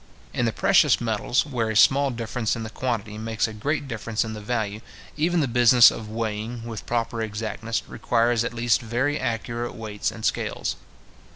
In the precious metals, where a small difference in the quantity makes a great difference in the value, even the business of weighing, with proper exactness, requires at least very accurate weights and scales.